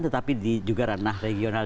tetapi juga ranah regional